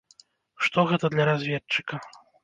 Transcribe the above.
Што гэта для разведчыка?